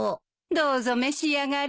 どうぞ召し上がれ。